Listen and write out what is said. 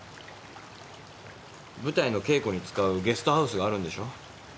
舞台の稽古に使うゲストハウスがあるんでしょ。